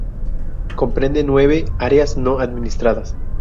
Comprende nueve áreas no administradas.